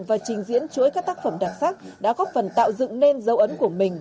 và trình diễn chuỗi các tác phẩm đặc sắc đã góp phần tạo dựng nên dấu ấn của mình